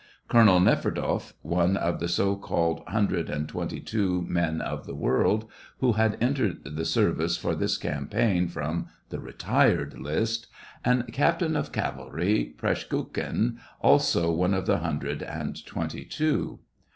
Colonel Neferdoff, one of the so called hiindi ed and twenty two men of the world (who had entered the ser vice for this campaign, from the retired list), and Captain of Cavalry Praskukhin, also one of the hundred and twenty two.